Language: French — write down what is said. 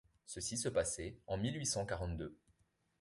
Ceci se passait en mille huit cent quarante-deux.